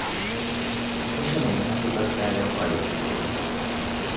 Az esemény házigazdája Haiti volt.